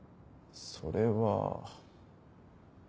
それは。